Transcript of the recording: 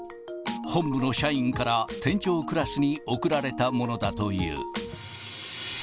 本部の社員から店長クラスに送られたものだという。